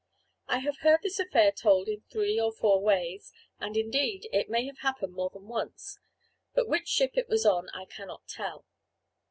I have heard this affair told in three or four ways and, indeed, it may have happened more than once. But which ship it was on I cannot tell.